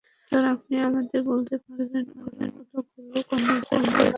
কিশোর, আপনি আমাদের বলতে পারেন, ওরা কতোগুলো কনডম চুরি করেছে এবং বেচেছে?